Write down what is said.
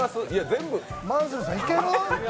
マンスールさん、いける？